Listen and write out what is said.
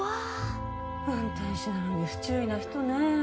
運転手なのに不注意な人ね。